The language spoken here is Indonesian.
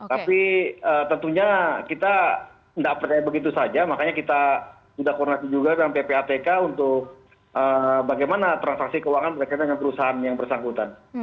tapi tentunya kita tidak percaya begitu saja makanya kita sudah koordinasi juga dengan ppatk untuk bagaimana transaksi keuangan berkaitan dengan perusahaan yang bersangkutan